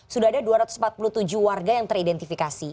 sudah ada dua ratus empat puluh tujuh warga yang teridentifikasi